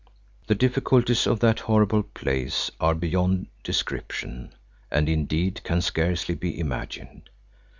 The difficulties of that horrible place are beyond description, and indeed can scarcely be imagined.